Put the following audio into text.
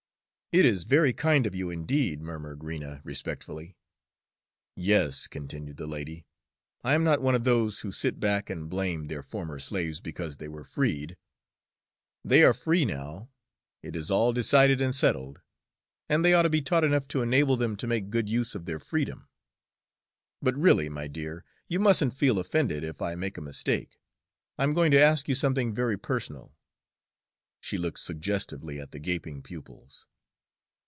"It is very kind of you, indeed," murmured Rena respectfully. "Yes," continued the lady, "I am not one of those who sit back and blame their former slaves because they were freed. They are free now, it is all decided and settled, and they ought to be taught enough to enable them to make good use of their freedom. But really, my dear, you mustn't feel offended if I make a mistake, I am going to ask you something very personal." She looked suggestively at the gaping pupils.